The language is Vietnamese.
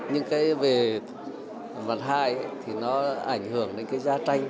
nhưng về mặt hại thì nó ảnh hưởng đến gia tranh